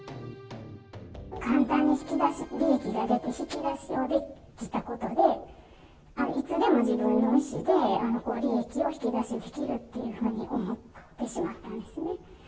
簡単に利益が出て、引き出しをできたことで、いつでも自分の意思で利益を引き出しできるというふうに思ってしまったんですね。